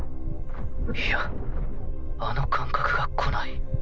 いやあの感覚が来ない。